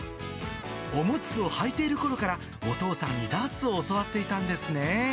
おむつをはいているころから、お父さんにダーツを教わっていたんですね。